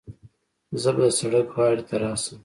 زه به د سړک غاړې ته راسم.